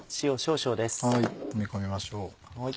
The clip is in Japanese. もみ込みましょう。